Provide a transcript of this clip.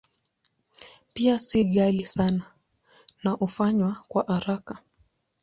Pia si ghali sana na hufanywa kwa haraka.